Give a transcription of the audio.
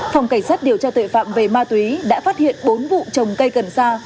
phòng cảnh sát điều tra tội phạm về ma túy đã phát hiện bốn vụ trồng cây cần xa